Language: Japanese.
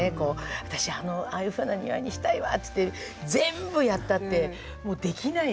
私ああいうふうな庭にしたいわって全部やったってもうできないし。